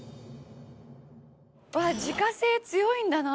自家製強いんだな。